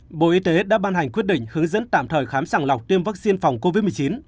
bộ y tế đã ban hành quyết định hướng dẫn tạm thời khám sàng lọc tiêm vaccine phòng covid một mươi chín